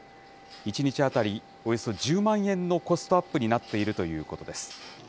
１日当たりおよそ１０万円のコストアップになっているということです。